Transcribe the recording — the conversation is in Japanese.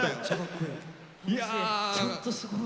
ちゃんとすごい。